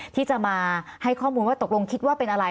ที่จะมาให้ข้อมูลว่าตกลงคิดว่าเป็นอะไร